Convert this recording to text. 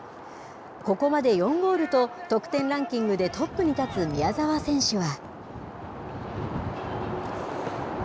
ここまで４ゴールと、得点ランキングでトップに立つ宮澤選手は。